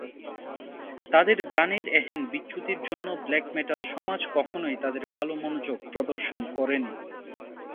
তাদের গানের এহেন বিচ্যুতির জন্য ব্ল্যাক মেটাল সমাজ কখনোই তাদের ভালো মনোযোগ প্রদর্শন করেনি।